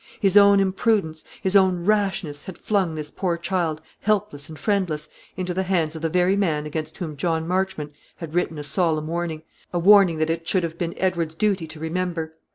His own imprudence, his own rashness, had flung this poor child, helpless and friendless, into the hands of the very man against whom John Marchmont had written a solemn warning, a warning that it should have been Edward's duty to remember.